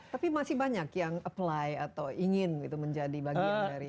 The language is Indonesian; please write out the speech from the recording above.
tapi masih banyak yang apply atau ingin itu menjadi bagian dari